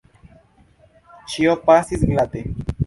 Ĉio pasis glate.